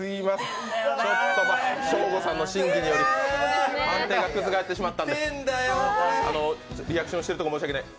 ショーゴさんの審議による判定が覆ってしまったんでリアクションしてるところ申し訳ない。